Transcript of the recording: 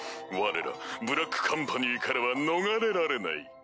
我らブラックカンパニーからは逃れられない。